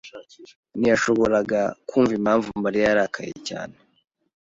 ntiyashoboraga kumva impamvu Mariya yarakaye cyane.